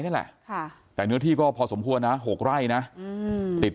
นี่แหละค่ะแต่เนื้อที่ก็พอสมควรนะ๖ไร่นะติด